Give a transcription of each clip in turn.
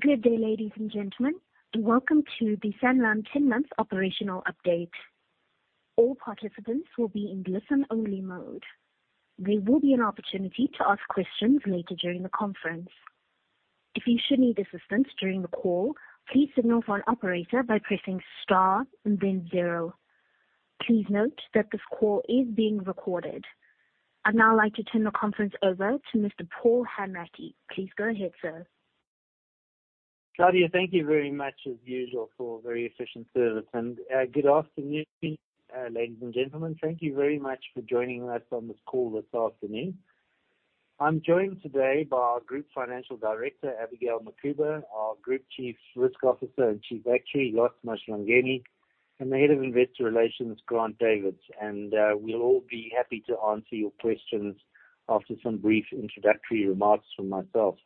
Good day, ladies and gentlemen, and welcome to the Sanlam 10-month operational update. All participants will be in listen-only mode. There will be an opportunity to ask questions later during the conference. If you should need assistance during the call, please signal for an operator by pressing star and then zero. Please note that this call is being recorded. I'd now like to turn the conference over to Mr. Paul Hanratty. Please go ahead, sir. Claudia, thank you very much as usual for very efficient service. Good afternoon, ladies and gentlemen. Thank you very much for joining us on this call this afternoon. I'm joined today by our Group Financial Director, Abigail Mukhuba, our Group Chief Risk Officer and Chief Actuary, Mlondolozi Mahlangeni, and the Head of Investor Relations, Grant Davids. We'll all be happy to answer your questions after some brief introductory remarks from myself.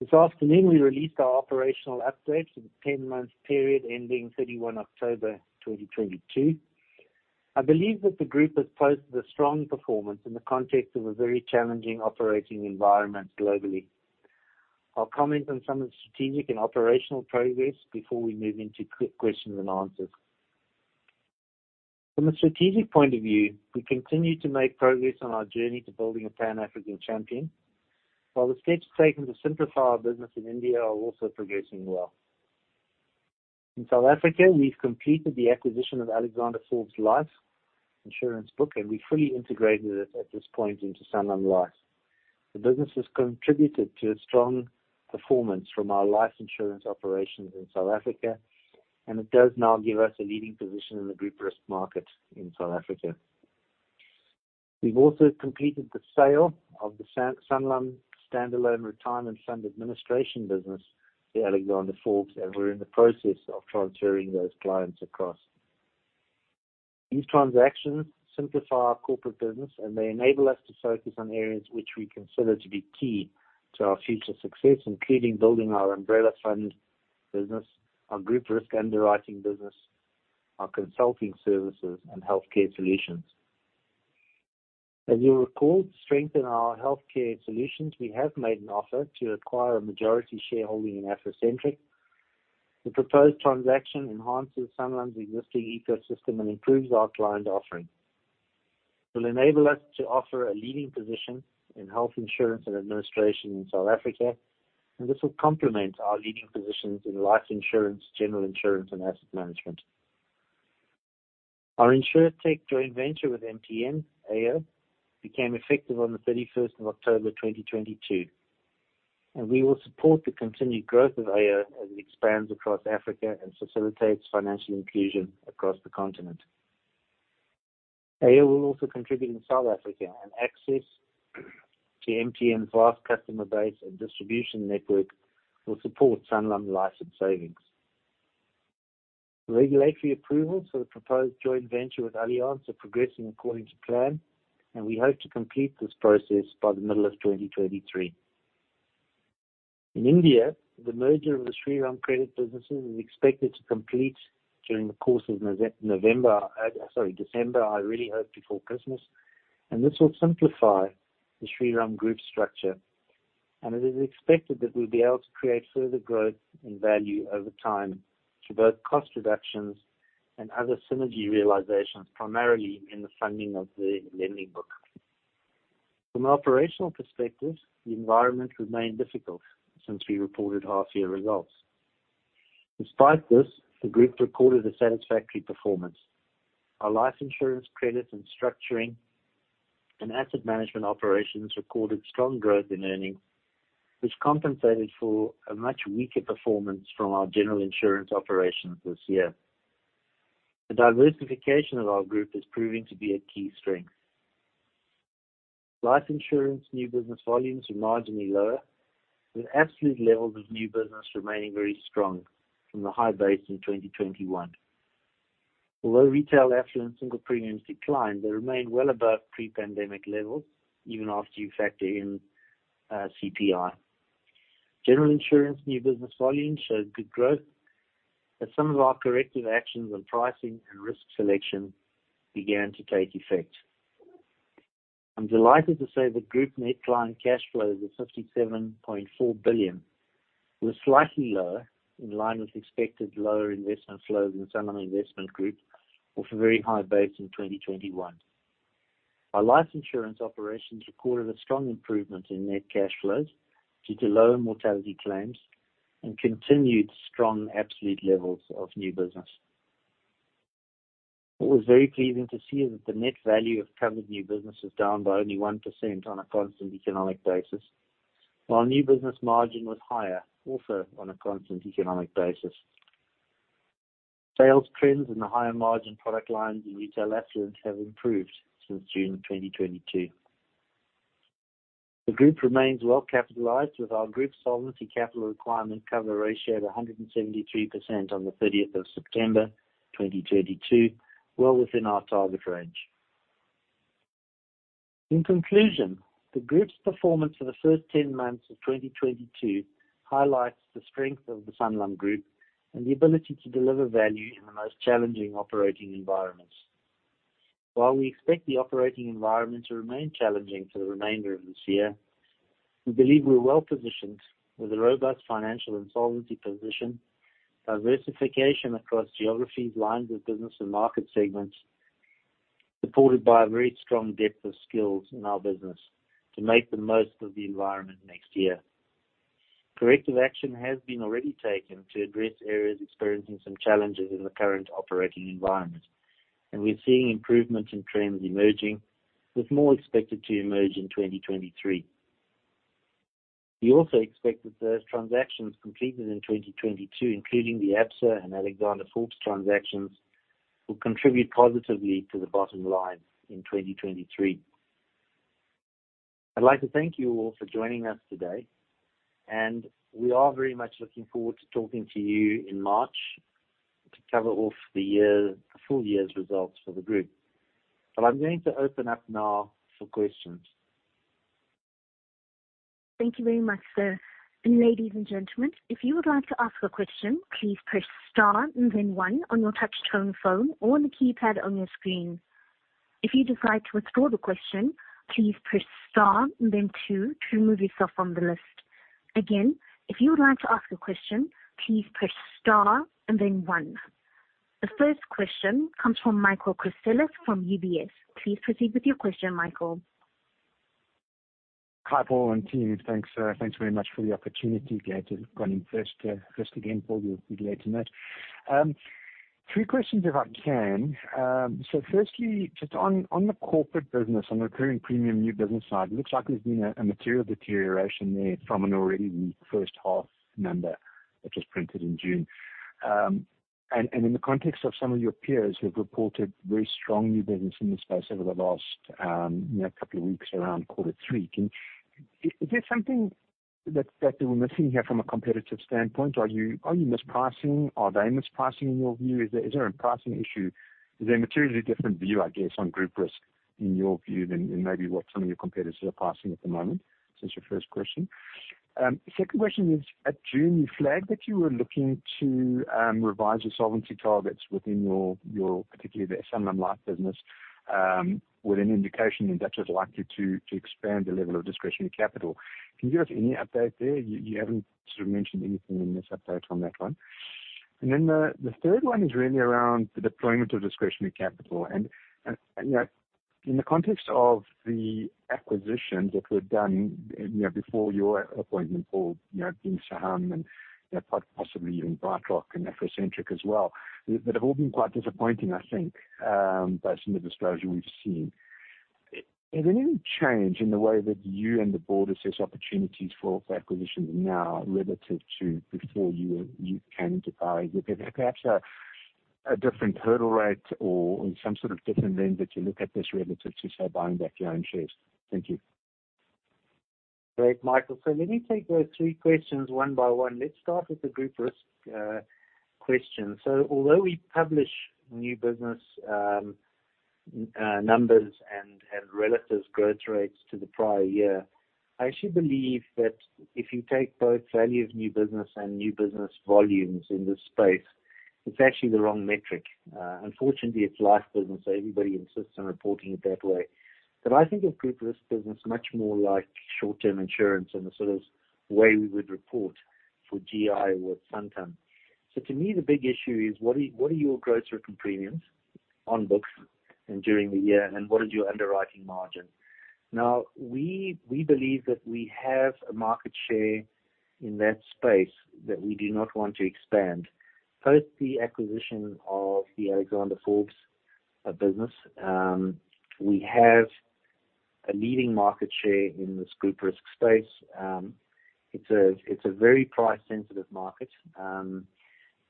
This afternoon, we released our operational update for the 10-month period ending 31 October 2022. I believe that the group has posted a strong performance in the context of a very challenging operating environment globally. I'll comment on some of the strategic and operational progress before we move into questions and answers. From a strategic point of view, we continue to make progress on our journey to building a Pan-African champion. While the steps taken to simplify our business in India are also progressing well. In South Africa, we've completed the acquisition of Alexander Forbes Life insurance book, and we fully integrated it at this point into Sanlam Life. The business has contributed to a strong performance from our life insurance operations in South Africa, and it does now give us a leading position in the group risk market in South Africa. We've also completed the sale of the Sanlam standalone retirement fund administration business to Alexander Forbes, and we're in the process of transferring those clients across. These transactions simplify our corporate business, and they enable us to focus on areas which we consider to be key to our future success, including building our umbrella fund business, our group risk underwriting business, our consulting services, and healthcare solutions. As you'll recall, to strengthen our healthcare solutions, we have made an offer to acquire a majority shareholding in AfroCentric. The proposed transaction enhances Sanlam's existing ecosystem and improves our client offering. It'll enable us to offer a leading position in health insurance and administration in South Africa, and this will complement our leading positions in life insurance, general insurance, and asset management. Our Insurtech joint venture with MTN, aYo, became effective on the 31 October 2022. We will support the continued growth of aYo as it expands across Africa and facilitates financial inclusion across the continent. aYo will also contribute in South Africa and access to MTN's vast customer base and distribution network will support Sanlam life and savings. Regulatory approvals for the proposed joint venture with Allianz are progressing according to plan, and we hope to complete this process by the middle of 2023. In India, the merger of the Shriram credit businesses is expected to complete during the course of November, sorry, December. I really hope before Christmas. This will simplify the Shriram group structure. It is expected that we'll be able to create further growth and value over time through both cost reductions and other synergy realizations, primarily in the funding of the lending book. From an operational perspective, the environment remained difficult since we reported half-year results. Despite this, the group recorded a satisfactory performance. Our life insurance credit and structuring and asset management operations recorded strong growth in earnings, which compensated for a much weaker performance from our general insurance operations this year. The diversification of our group is proving to be a key strength. Life insurance new business volumes were marginally lower, with absolute levels of new business remaining very strong from the high base in 2021. Although retail affluent single premiums declined, they remain well above pre-pandemic levels even after you factor in CPI. General insurance new business volumes showed good growth as some of our corrective actions on pricing and risk selection began to take effect. I'm delighted to say that group net client cash flows of 57.4 billion was slightly lower, in line with expected lower investment flows in Sanlam Investment Group off a very high base in 2021. Our life insurance operations recorded a strong improvement in net cash flows due to lower mortality claims and continued strong absolute levels of new business. What was very pleasing to see is that the Net value of covered new business is down by only 1% on a constant economic basis, while new business margin was higher, also on a constant economic basis. Sales trends in the higher margin product lines in retail affluent have improved since June 2022. The group remains well capitalized with our group Solvency Capital Requirement cover ratio of 173% on the 30th of September 2022, well within our target range. In conclusion, the Group's performance for the first 10 months of 2022 highlights the strength of the Sanlam Group and the ability to deliver value in the most challenging operating environments. While we expect the operating environment to remain challenging for the remainder of this year, we believe we're well-positioned with a robust financial and solvency position, diversification across geographies, lines of business and market segments, supported by a very strong depth of skills in our business to make the most of the environment next year. Corrective action has been already taken to address areas experiencing some challenges in the current operating environment, and we're seeing improvements and trends emerging, with more expected to emerge in 2023. We also expect that those transactions completed in 2022, including the Absa and Alexander Forbes transactions, will contribute positively to the bottom line in 2023.I'd like to thank you all for joining us today. We are very much looking forward to talking to you in March to cover off the year, full year's results for the group. I'm going to open up now for questions. Thank you very much, sir. Ladies and gentlemen, if you would like to ask a question, please press star and then one on your touch-tone phone or on the keypad on your screen. If you decide to withdraw the question, please press star and then two to remove yourself from the list. Again, if you would like to ask a question, please press star and then one. The first question comes from Michael Christelis from UBS. Please proceed with your question, Michael. Hi, Paul and team. Thanks, thanks very much for the opportunity. Glad to have gone in first again, Paul, you'll be glad to know. Three questions if I can. Firstly, just on the corporate business, on the recurring premium new business side, it looks like there's been a material deterioration there from an already weak first half number that was printed in June. In the context of some of your peers who have reported very strong new business in this space over the last, you know, couple of weeks around quarter three, is there something that we're missing here from a competitive standpoint? Are you mispricing? Are they mispricing in your view? Is there a pricing issue? Is there a materially different view, I guess, on group risk in your view than maybe what some of your competitors are pricing at the moment? It's your first question. Second question is, at June, you flagged that you were looking to revise your solvency targets within your particularly the Sanlam Life business, with an indication that that was likely to expand the level of discretionary capital. Can you give us any update there? You haven't sort of mentioned anything in this update on that one. The third one is really around the deployment of discretionary capital and, you know, in the context of the acquisitions that were done, you know, before your appointment, Paul, you know, being Saham and, you know, quite possibly even BrightRock and AfroCentric as well, that have all been quite disappointing, I think, based on the disclosure we've seen. Is there any change in the way that you and the board assess opportunities for acquisition now relative to before you came to buy? With perhaps a different hurdle rate or some sort of different lens that you look at this relative to, say, buying back your own shares? Thank you. Great, Michael. Let me take those three questions one by one. Let's start with the group risk question. Although we publish new business numbers and relatives growth rates to the prior year, I actually believe that if you take both value of new business and new business volumes in this space, it's actually the wrong metric. Unfortunately, it's life business, so everybody insists on reporting it that way. I think of group risk business much more like short-term insurance and the sort of way we would report for GI or Santam. To me, the big issue is what are your growth rate and premiums on books and during the year and what is your underwriting margin? We believe that we have a market share in that space that we do not want to expand. Post the acquisition of the Alexander Forbes business, we have a leading market share in this group risk space. It's a very price-sensitive market.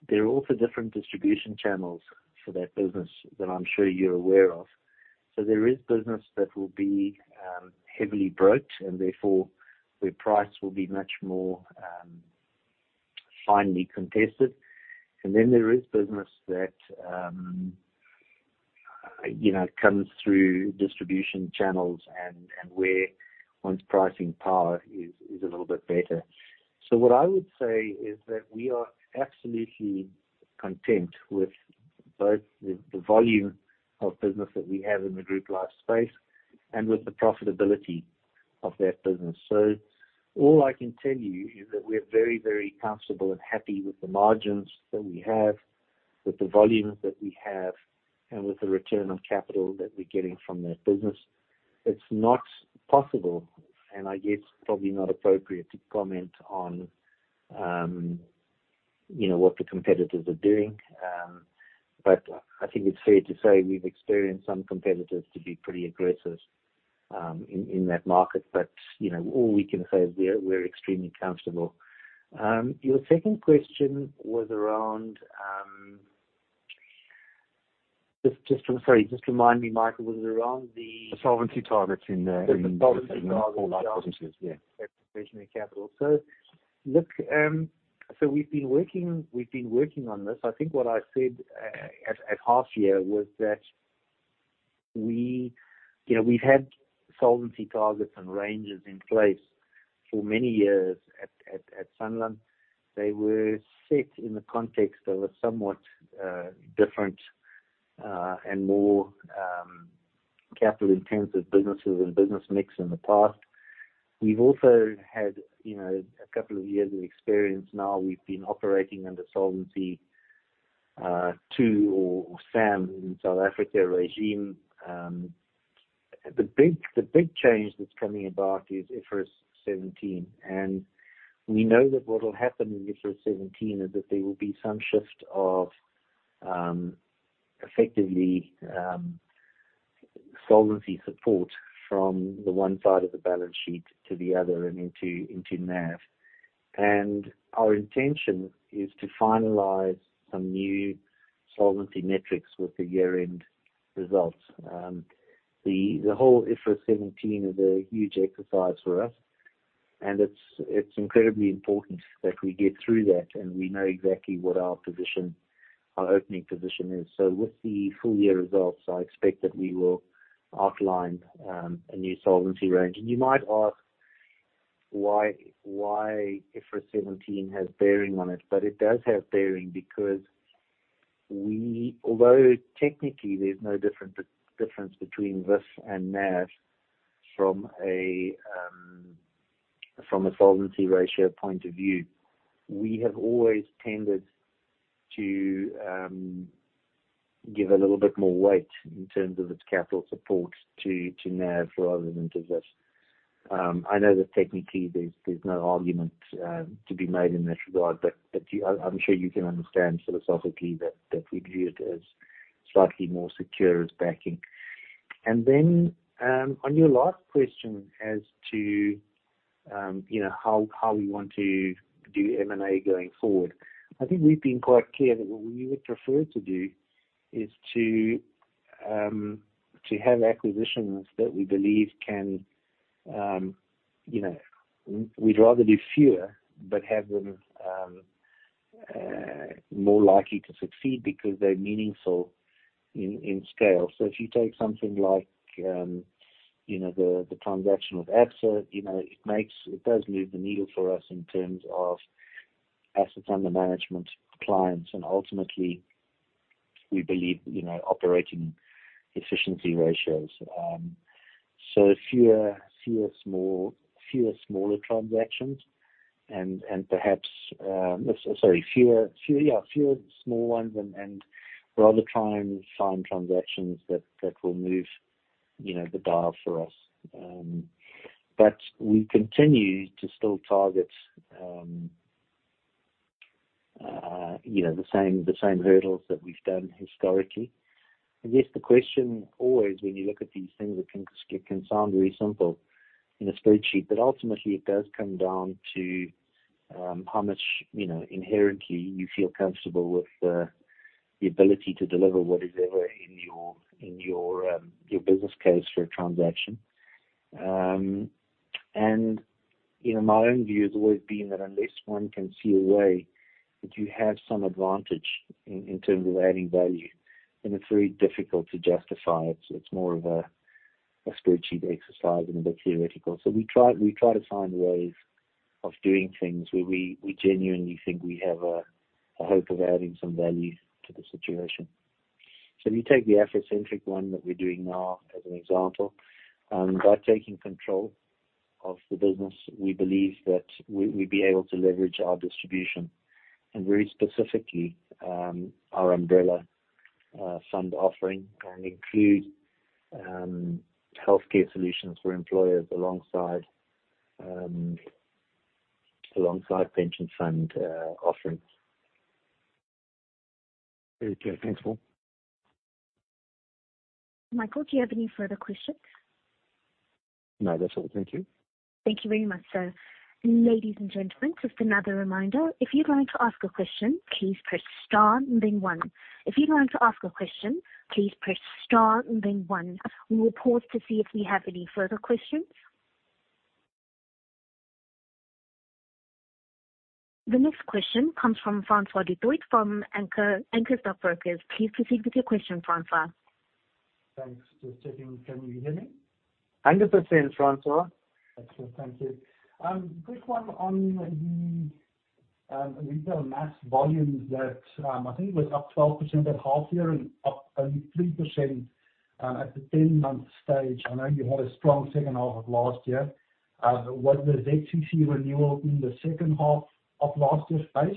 There are also different distribution channels for that business that I'm sure you're aware of. There is business that will be heavily broke and therefore, where price will be much more finely contested. There is business that, you know, comes through distribution channels and where one's pricing power is a little bit better. What I would say is that we are absolutely content with both the volume of business that we have in the group life space and with the profitability of that business. All I can tell you is that we're very, very comfortable and happy with the margins that we have, with the volumes that we have, and with the return on capital that we're getting from that business. It's not possible, and I guess probably not appropriate to comment on, you know, what the competitors are doing. I think it's fair to say we've experienced some competitors to be pretty aggressive in that market. You know, all we can say is we're extremely comfortable. Your second question was around sorry, just remind me, Michael. Was it around the. The solvency targets in all life businesses, yeah. Discretionary capital. We've been working on this. I think what I said at half year was that we, you know, we've had solvency targets and ranges in place. For many years at Sanlam, they were set in the context of a somewhat different and more capital-intensive businesses and business mix in the past. We've also had, you know, a couple of years of experience now. We've been operating under Solvency II or SAM in South Africa regime. The big change that's coming about is IFRS 17. We know that what will happen in IFRS 17 is that there will be some shift of effectively solvency support from the one side of the balance sheet to the other and into NAV. Our intention is to finalize some new solvency metrics with the year-end results. The whole IFRS 17 is a huge exercise for us, and it's incredibly important that we get through that and we know exactly what our position, our opening position is. With the full year results, I expect that we will outline a new solvency range. You might ask why IFRS 17 has bearing on it, but it does have bearing because we although technically there's no difference between VIF and NAV from a solvency ratio point of view, we have always tended to give a little bit more weight in terms of its capital support to NAV rather than to VIF. I know that technically there's no argument to be made in that regard, but I'm sure you can understand philosophically that we view it as slightly more secure as backing. On your last question as to, you know, how we want to do M&A going forward, I think we've been quite clear that what we would prefer to do is to have acquisitions that we believe can, you know, we'd rather do fewer but have them more likely to succeed because they're meaningful in scale. If you take something like, you know, the transaction of AXA, you know, it does move the needle for us in terms of assets under management clients and ultimately we believe, you know, operating efficiency ratios. Fewer smaller transactions and perhaps, sorry, fewer small ones and rather try and find transactions that will move, you know, the dial for us. We continue to still target, you know, the same hurdles that we've done historically. I guess the question always when you look at these things, it can sound very simple in a spreadsheet, but ultimately it does come down to, how much, you know, inherently you feel comfortable with, the ability to deliver whatever in your business case for a transaction. You know, my own view has always been that unless one can see a way that you have some advantage in terms of adding value, then it's very difficult to justify it. It's more of a spreadsheet exercise and a bit theoretical. We try to find ways of doing things where we genuinely think we have a hope of adding some value to the situation. If you take the AfroCentric one that we're doing now as an example, by taking control of the business, we believe that we'd be able to leverage our distribution and very specifically, our umbrella fund offering and include healthcare solutions for employers alongside pension fund offerings. Okay. Thanks, Paul. Michael, do you have any further questions? No, that's all. Thank you. Thank you very much, sir. Ladies and gentlemen, just another reminder. If you'd like to ask a question, please press star and then one. If you'd like to ask a question, please press star and then one. We will pause to see if we have any further questions. The next question comes from Francois du Toit from Anchor Stockbrokers. Please proceed with your question, Francois. Thanks. Just checking. Can you hear me? Hundred percent, Francois. That's good. Thank you. Quick one on the retail mass volumes that, I think it was up 12% at half year and up only 3% at the 10-month stage. I know you had a strong second half of last year. Was the ZCC renewal in the second half of last year's phase?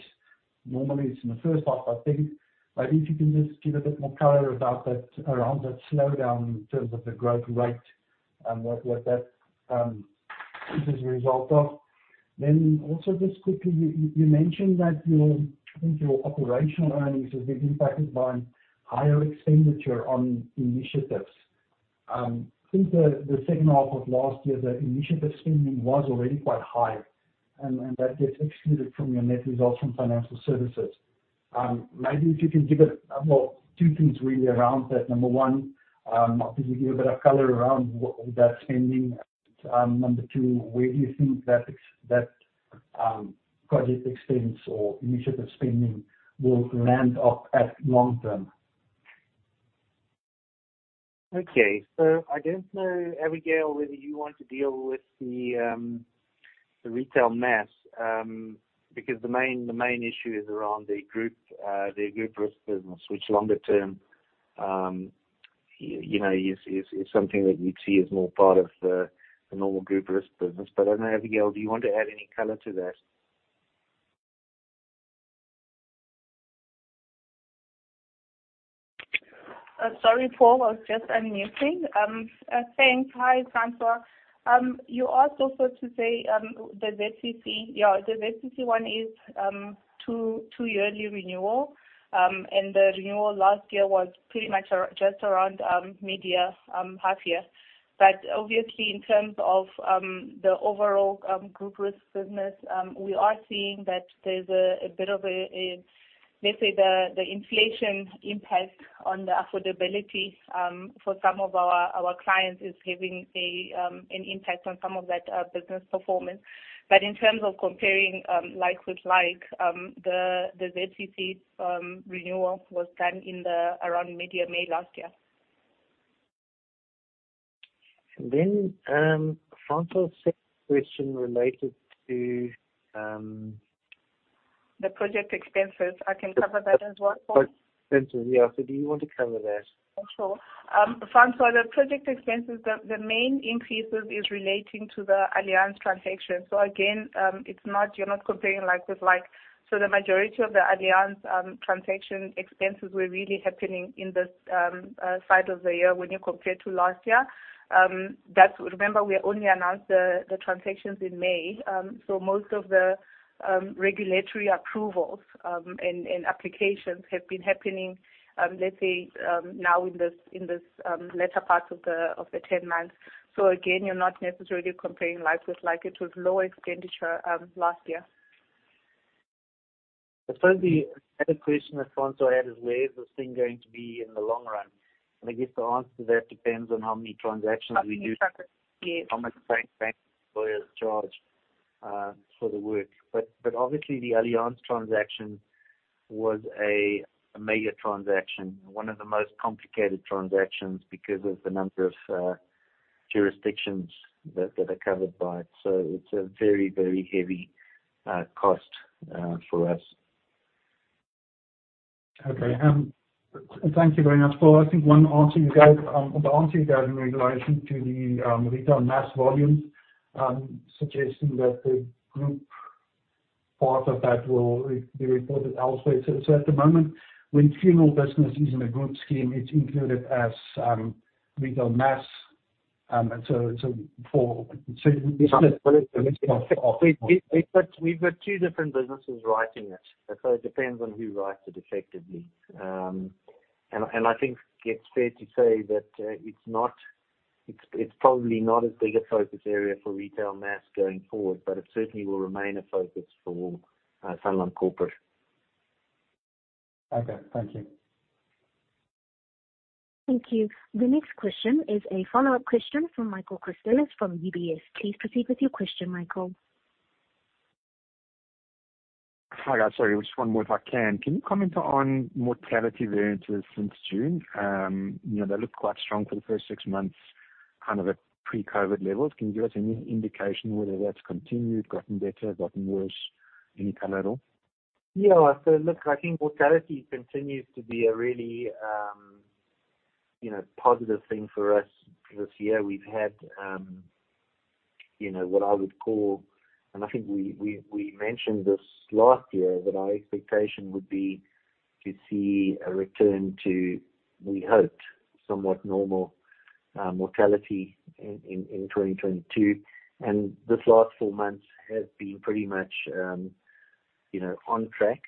Normally, it's in the first half, I think. Maybe if you can just give a bit more color about that, around that slowdown in terms of the growth rate, what that is as a result of. Also, just quickly, you mentioned that your, I think your operational earnings have been impacted by higher expenditure on initiatives. I think the second half of last year, the initiative spending was already quite high and that gets excluded from your Net result from financial services. Maybe if you can give a well, two things really around that. Number one, obviously give a bit of color around what that spending. Number two, where do you think that project expense or initiative spending will land up at long term? Okay. I don't know, Abigail, whether you want to deal with the retail mass, because the main issue is around the group, the group risk business, which longer term, you know, is something that we see as more part of the normal group risk business. I don't know, Abigail, do you want to add any color to that? Sorry, Paul, I was just unmuting. Thanks. Hi, Francois. You also sort to say, the ZCC. Yeah, the ZCC one is two yearly renewal. The renewal last year was pretty much just around midyear, half year. Obviously in terms of the overall group risk business, we are seeing that there's a bit of a, let's say, the inflation impact on the affordability for some of our clients is having an impact on some of that business performance. In terms of comparing like with like, the ZCC renewal was done in the around mid-May last year. Then, Francois' second question related to. The project expenses. I can cover that as well, Paul. Expenses, yeah. Do you want to cover that? Sure. Francois, the project expenses, the main increases is relating to the Allianz transaction. Again, you're not comparing like with like. The majority of the Allianz transaction expenses were really happening in this side of the year when you compare to last year. Remember we only announced the transactions in May. Most of the regulatory approvals and applications have been happening, let's say, now in this latter part of the 10 months. Again, you're not necessarily comparing like with like. It was lower expenditure last year. I suppose the other question that Francois had is, where is this thing going to be in the long run? I guess the answer to that depends on how many transactions we do. How much bank lawyers charge, for the work. Obviously the Allianz transaction was a major transaction and one of the most complicated transactions because of the number of jurisdictions that are covered by it. It's a very heavy cost for us. Thank you very much, Paul. I think one answer you gave, the answer you gave in relation to the retail mass volumes, suggesting that the group part of that will be reported elsewhere. At the moment when funeral business is in a group scheme, it's included as retail mass. We've got two different businesses writing it. It depends on who writes it effectively. And I think it's fair to say that it's probably not as big a focus area for retail mass going forward, it certainly will remain a focus for Sanlam Corporate. Okay, thank you. Thank you. The next question is a follow-up question from Michael Christelis from UBS. Please proceed with your question, Michael. Hi, guys. Sorry, just one more if I can. Can you comment on mortality variances since June? You know, they looked quite strong for the first six months, kind of at pre-COVID levels. Can you give us any indication whether that's continued, gotten better, gotten worse? Any color at all? Yeah. Look, I think mortality continues to be a really, you know, positive thing for us this year. We've had, you know, what I would call... I think we mentioned this last year, that our expectation would be to see a return to, we hoped, somewhat normal mortality in 2022. This last four months has been pretty much, you know, on track.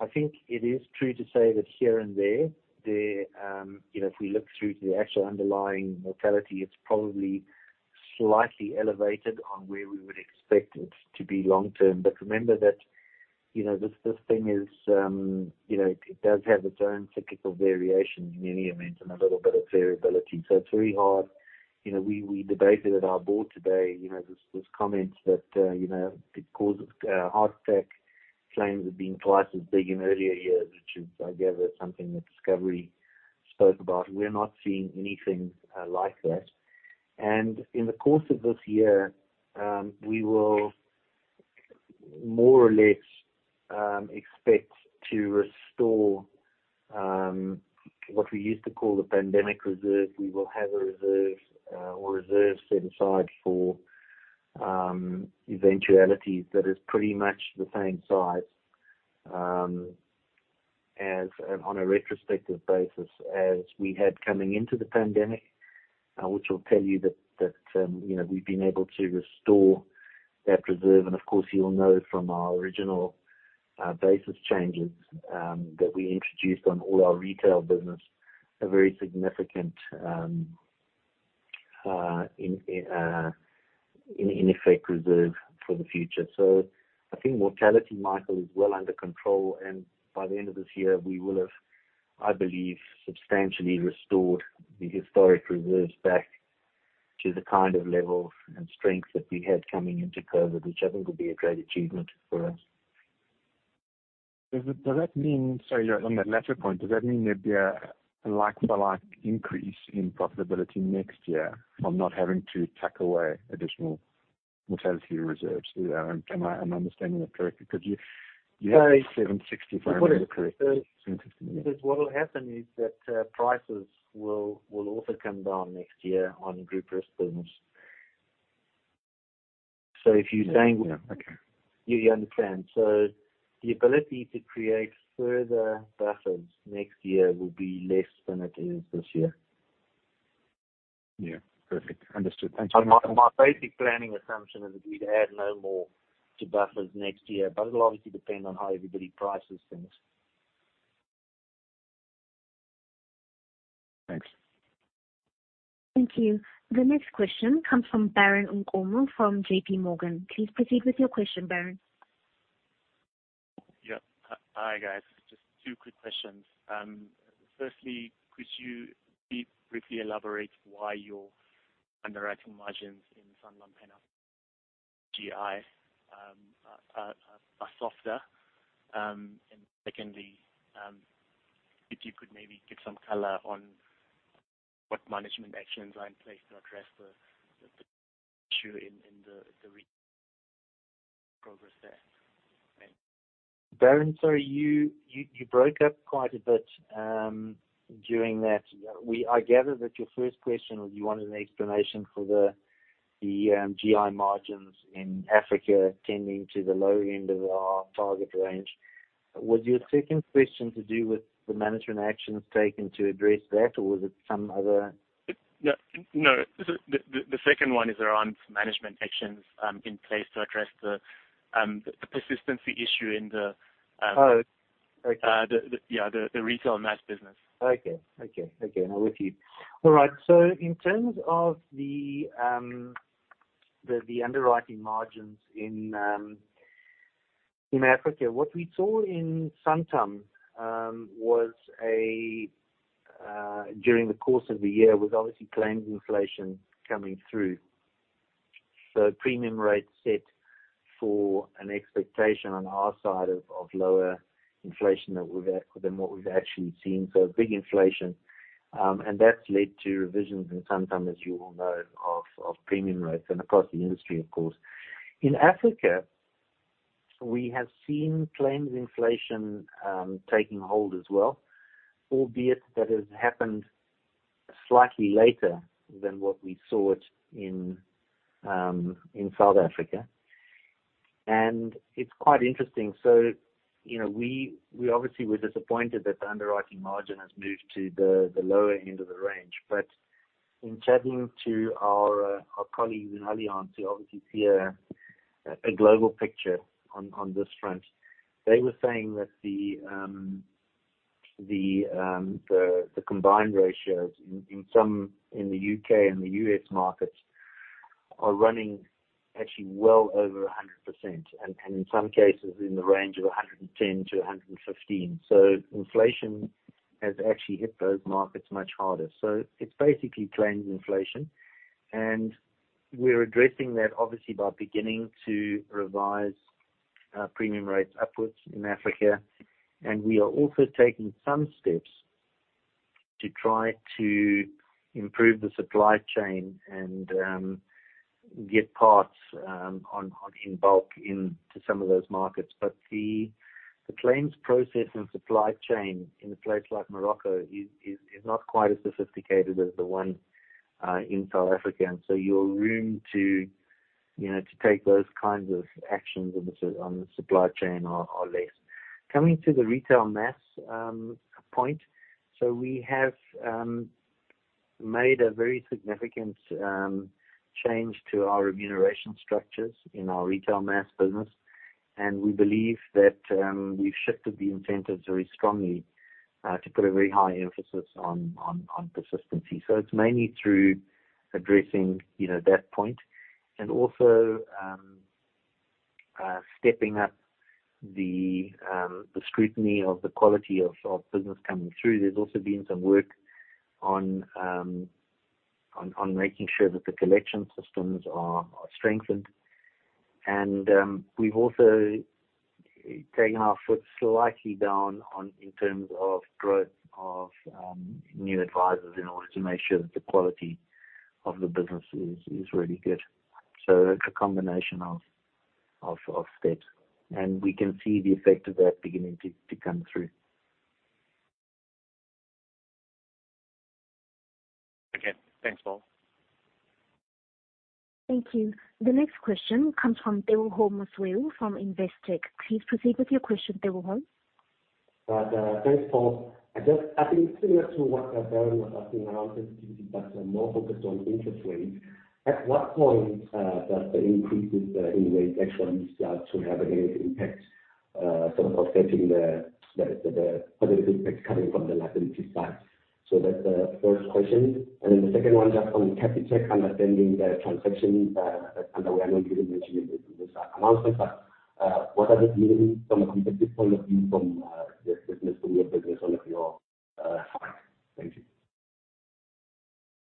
I think it is true to say that here and there, you know, if we look through to the actual underlying mortality, it's probably slightly elevated on where we would expect it to be long term. Remember that, you know, this thing is, you know, it does have its own cyclical variations in any event and a little bit of variability. It's very hard you know, we debated at our board today, you know, this comment that, you know, because heart attack claims have been twice as big in earlier years, which is I gather something that Discovery spoke about, we're not seeing anything like that. In the course of this year, we will more or less expect to restore what we used to call the pandemic reserve. We will have a reserve or reserve set aside for eventualities that is pretty much the same size as on a retrospective basis as we had coming into the pandemic, which will tell you that, you know, we've been able to restore that reserve. Of course, you'll know from our original basis changes, that we introduced on all our retail business, a very significant in effect reserve for the future. I think mortality, Michael, is well under control, and by the end of this year, we will have, I believe, substantially restored the historic reserves back to the kind of level and strength that we had coming into COVID, which I think would be a great achievement for us. Does that mean on that latter point, does that mean there'd be a like for like increase in profitability next year from not having to tuck away additional mortality reserves? Am I understanding that correctly? You have 765 million, if I remember correctly. ZAR 750 million. What will happen is that prices will also come down next year on group risk terms, if you saying. Yeah. Okay. You understand. The ability to create further buffers next year will be less than it is this year. Yeah. Perfect. Understood. Thank you. My basic planning assumption is that we'd add no more to buffers next year, but it'll obviously depend on how everybody prices things. Thanks. Thank you. The next question comes from Baron Nkomo from JPMorgan. Please proceed with your question, Baron. Yeah. Hi, guys. Just two quick questions. Firstly, could you please briefly elaborate why your underwriting margins in Sanlam Pan GI are softer? Secondly, if you could maybe give some color on what management actions are in place to address the issue in the progress there. Thanks. Baron, sorry you broke up quite a bit during that. I gather that your first question was you wanted an explanation for the GI margins in Africa tending to the lower end of our target range. Was your second question to do with the management actions taken to address th0t or was it some other? No. The second one is around management actions, in place to address the persistency issue in the yeah, the retail mass business. Okay. Okay. Okay. Now with you. All right. In terms of the underwriting margins in Africa, what we saw in Santam was during the course of the year was obviously claims inflation coming through. Premium rates set for an expectation on our side of lower inflation than what we've actually seen, so big inflation. That's led to revisions in Santam, as you all know, of premium rates and across the industry, of course. In Africa, we have seen claims inflation taking hold as well, albeit that has happened slightly later than what we saw it in South Africa. It's quite interesting. You know, we obviously were disappointed that the underwriting margin has moved to the lower end of the range. In chatting to our colleagues in Allianz, who obviously see a global picture on this front, they were saying that the combined ratio in some in the U.K. and the U.S. markets are running actually well over 100%, and in some cases in the range of 110%-115%. Inflation has actually hit those markets much harder. It's basically claims inflation, and we're addressing that obviously by beginning to revise premium rates upwards in Africa. We are also taking some steps to try to improve the supply chain and get parts on in bulk into some of those markets. The claims process and supply chain in a place like Morocco is not quite as sophisticated as the one in South Africa. Your room to, you know, to take those kinds of actions on the supply chain are less. Coming to the retail mass point. We have made a very significant change to our remuneration structures in our retail mass business, and we believe that we've shifted the incentives very strongly to put a very high emphasis on persistency. It's mainly through addressing, you know, that point and also stepping up the scrutiny of the quality of business coming through. There's also been some work on making sure that the collection systems are strengthened. We've also taken our foot slightly down on, in terms of growth of new advisors in order to make sure that the quality of the business is really good.It's a combination of steps. We can see the effect of that beginning to come through. Okay. Thanks, Paul. Thank you. The next question comes from [Tebogo Mosweu] from Investec. Please proceed with your question, [Tebogo]. Similar to what Baron was asking around sensitivity, but more focused on interest rates. At what point does the increases in rates actually start to have a negative impact, sort of offsetting the positive impact coming from the liability side? That's the first question. The second one just on Capitec, understanding the transaction, I know you didn't mention it in this announcement, but what are the synergies from a competitive point of view from this business from your business point of view? Thank you.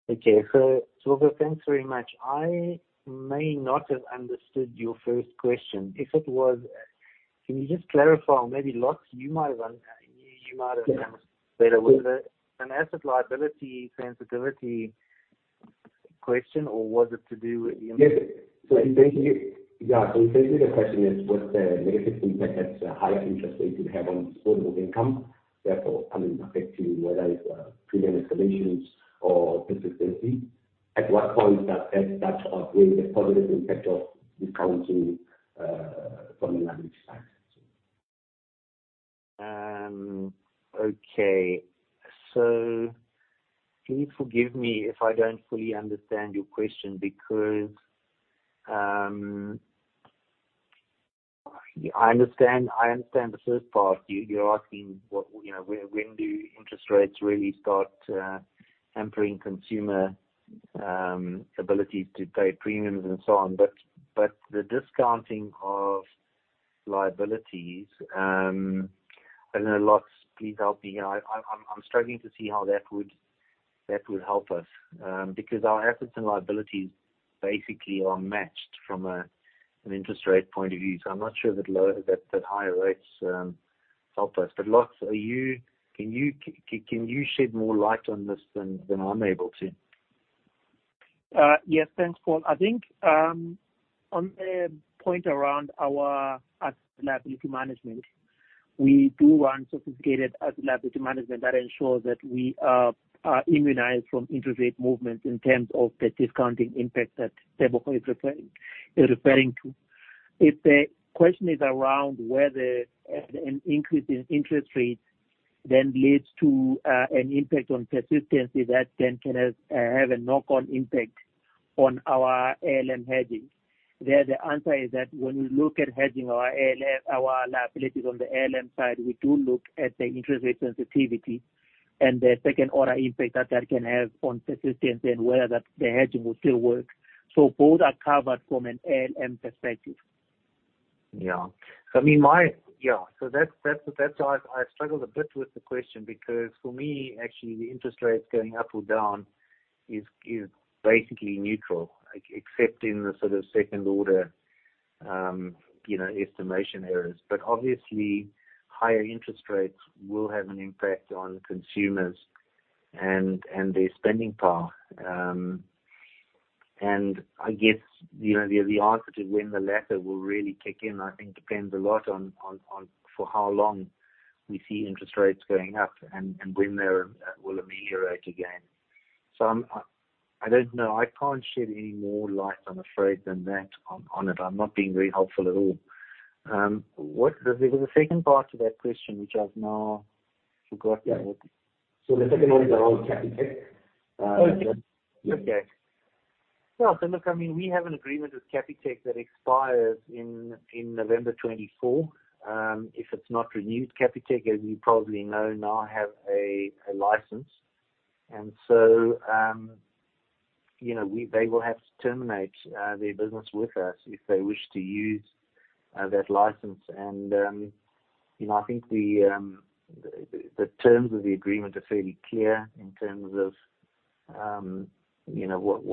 Okay, thanks very much. I may not have understood your first question. If it was, can you just clarify or maybe Lozi you might have understood better. Was it an asset liability sensitivity question, or was it to do with the? Yes. Essentially the question is what the negative impact that higher interest rates would have on disposable income, therefore, I mean, affecting whether it's premium installations or persistency. At what point does that start outweighing the positive impact of discounting from a liability side? Okay. Please forgive me if I don't fully understand your question because I understand the first part. You, you're asking what, you know, when do interest rates really start hampering consumer ability to pay premiums and so on. The discounting of liabilities, I don't know, Lozi please help me. I'm struggling to see how that would help us because our assets and liabilities basically are matched from an interest rate point of view. I'm not sure that higher rates help us. Lozi, are you can you shed more light on this than I'm able to? Yes. Thanks, Paul. I think, on the point around our asset liability management, we do run sophisticated asset liability management that ensures that we are immunized from interest rate movements in terms of the discounting impact that Tebogo is referring to. If the question is around whether an increase in interest rates then leads to an impact on persistency that then can have a knock-on impact on our ALM hedging, there the answer is that when we look at hedging our ALF, our liabilities on the ALM side, we do look at the interest rate sensitivity and the second-order impact that that can have on persistence and whether that, the hedging will still work. Both are covered from an ALM perspective. Yeah. I mean, Yeah. That's why I struggled a bit with the question because for me, actually, the interest rates going up or down is basically neutral, except in the sort of second order, you know, estimation errors. Obviously higher interest rates will have an impact on consumers and their spending power. I guess, you know, the answer to when the latter will really kick in, I think depends a lot on for how long we see interest rates going up and when they're will ameliorate again. I don't know. I can't shed any more light, I'm afraid than that on it. I'm not being very helpful at all. There was a second part to that question, which I've now forgotten. Yeah. The second one is around Capitec. Okay. Yeah. Look, I mean, we have an agreement with Capitec that expires in November 2024. If it's not renewed, Capitec, as you probably know, now have a license. You know, they will have to terminate their business with us if they wish to use that license. You know, I think the terms of the agreement are fairly clear in terms of, you know, what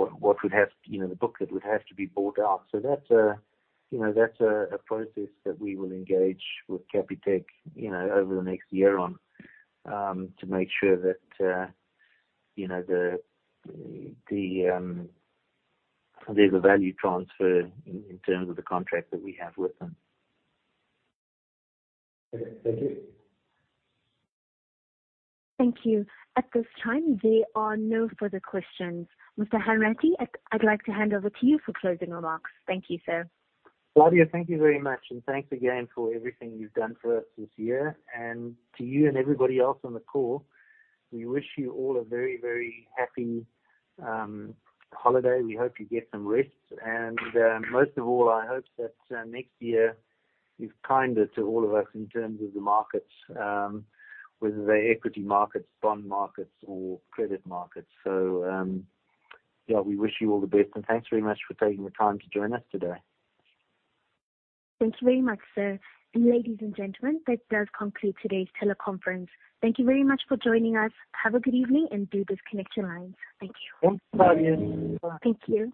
would have, you know, the book that would have to be bought out. That's, you know, a process that we will engage with Capitec, you know, over the next year on to make sure that, you know, there's a value transfer in terms of the contract that we have with them. Okay. Thank you. Thank you. At this time, there are no further questions. Mr. Hanratty, I'd like to hand over to you for closing remarks. Thank you, sir. Claudia, thank you very much, thanks again for everything you've done for us this year. To you and everybody else on the call, we wish you all a very, very happy holiday. We hope you get some rest. Most of all, I hope that next year is kinder to all of us in terms of the markets, whether they're equity markets, bond markets or credit markets. Yeah. We wish you all the best, and thanks very much for taking the time to join us today. Thank you very much, sir. Ladies and gentlemen, that does conclude today's teleconference. Thank you very much for joining us. Have a good evening and do disconnect your lines. Thank you. Thanks, Claudia. Thank you.